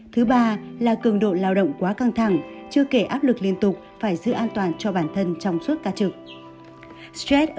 thứ ba là cường độ lao động quá căng thẳng chưa kể áp lực liên tục phải giữ an toàn cho bản thân trong suốt ca trực